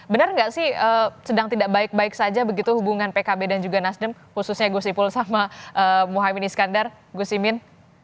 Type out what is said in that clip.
benar nggak sih sedang tidak baik baik saja begitu hubungan pkb dan juga nasdem khususnya gus ipul sama muhaymin iskandar gus imin